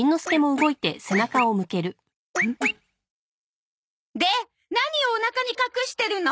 うん？で何をおなかに隠してるの？